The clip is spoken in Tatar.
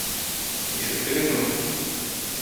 Ишеттегезме?